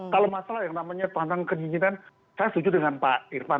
kalau masalah yang namanya tentang keinginan saya setuju dengan pak irfan